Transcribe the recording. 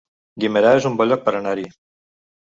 Guimerà es un bon lloc per anar-hi